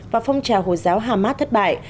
và phong trào hồ giáo hamas thất bại